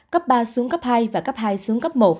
cấp ba xuống cấp hai và cấp hai xuống cấp một